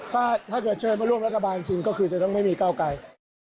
ถ้าเกิดเชิญมาร่วมรัฐบาลจริงก็คือจะต้องไม่มีเก้าไกล